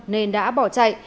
nên đã bỏ chạy